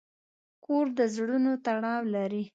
کور د زړونو تړاو لري.